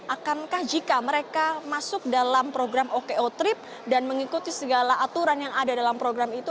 akankah jika mereka masuk dalam program oko trip dan mengikuti segala aturan yang ada dalam program itu